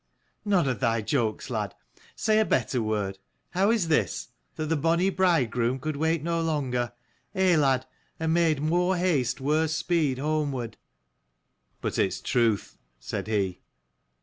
" None of thy jokes, lad. Say a better word. How is this? That the bonny bridegroom could wait no longer ; eh, lad? and made more haste worse speed homeward ?"" But it's truth," said he.